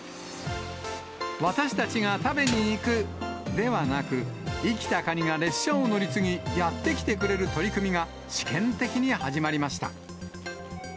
私たちが食べに行くではなく、生きたかにが列車を乗り継ぎ、やって来てくれる取り組みが試験的に始まりました。